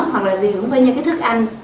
hoặc là dị hứng với những cái thức ăn